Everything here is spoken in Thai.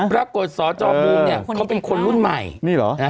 พอปรักษณ์สจบูมเค้าเป็นคนรุ่นใหม่